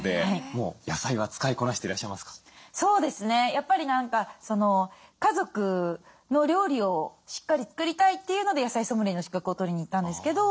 やっぱり何か家族の料理をしっかり作りたいっていうので野菜ソムリエの資格を取りにいったんですけど。